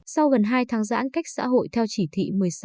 sau gần hai tháng giãn cách xã hội theo chỉ thị một mươi sáu